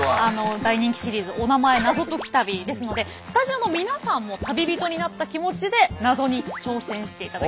大人気シリーズおなまえナゾ解き旅ですのでスタジオの皆さんも旅人になった気持ちでナゾに挑戦していただきたいと思います。